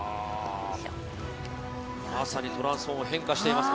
まさにトランスフォーム変化しています。